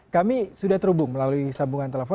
kami sudah terhubung melalui sambungan telepon